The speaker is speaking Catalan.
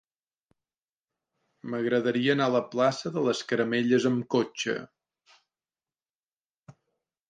M'agradaria anar a la plaça de les Caramelles amb cotxe.